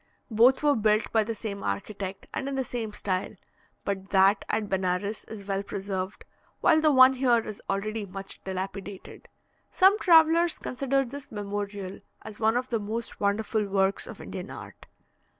Both were built by the same architect, and in the same style; but that at Benares is well preserved, while the one here is already much dilapidated. Some travellers consider this memorial as one of the most wonderful works of Indian art.